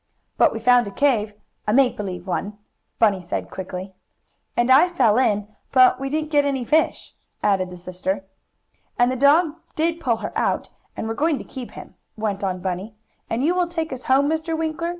"But we found a cave a make believe one," Bunny said quickly. "And I fell in, but we didn't get any fish," added the sister. "And the dog did pull her out, and we're going to keep him," went on Bunny. "And will you take us home, Mr. Winkler?